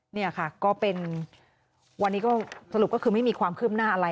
นี่ค่ะก็เป็นวันนี้ก็สรุปก็คือไม่มีความคืบหน้าอะไร